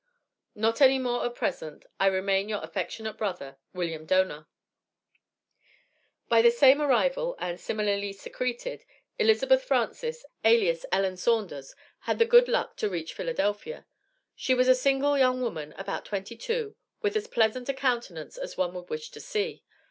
Not any more at preasent. i remain your affectionate brother, WILLIAM DONAR. By the same arrival, and similarly secreted, Elizabeth Frances, alias Ellen Saunders, had the good luck to reach Philadelphia. She was a single young woman, about twenty two, with as pleasant a countenance as one would wish to see.